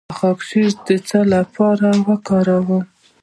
د شیرخشت د څه لپاره وکاروم؟